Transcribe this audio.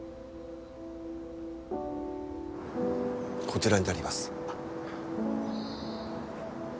こちらになります。